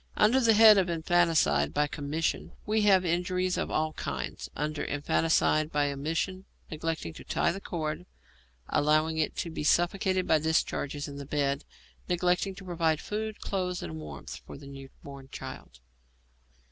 Under the head of infanticide by commission, we have injuries of all kinds; under infanticide by omission, neglecting to tie the cord, allowing it to be suffocated by discharges in the bed, neglect to provide food, clothes, and warmth, for the new born child.